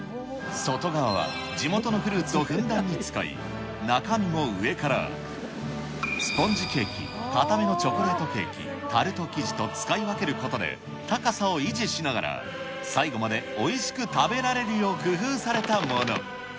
外側は地元のフルーツをふんだんに使い、中身も上から、スポンジケーキ、硬めのチョコレートケーキ、タルト生地と使い分けることで、高さを維持しながら、最後までおいしく食べられるよう工夫されたもの。